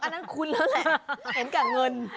นั้นคุ้นแล้วแหละเห็นกับเงิน